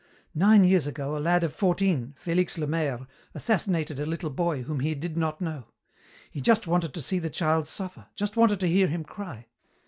Nine years ago a lad of fourteen, Felix Lemaîre, assassinated a little boy whom he did not know. He just wanted to see the child suffer, just wanted to hear him cry.